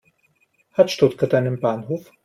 Hat Stuttgart einen Bahnhof?